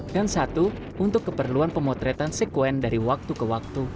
dan satu untuk keperluan pemotretan sekuen dari waktu ke waktu